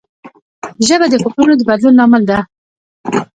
ژبه د فکرونو د بدلون لامل ده